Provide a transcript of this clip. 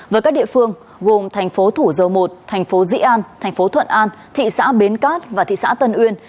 với các địa phương gồm thành phố thủ dầu một thành phố dĩ an thành phố thuận an thị xã bến cát và thị xã tân uyên